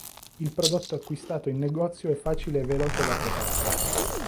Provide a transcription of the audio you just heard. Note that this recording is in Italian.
Il prodotto acquistato in negozio è facile e veloce da preparare.